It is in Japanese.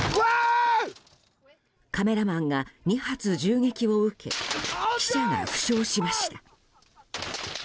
カメラマンが２発銃撃を受け記者が負傷しました。